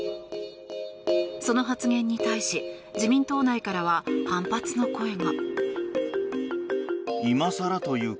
その発言に対し自民党内からは反発の声が。